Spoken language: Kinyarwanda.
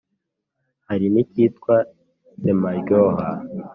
hari n’icyitwa semaryoha,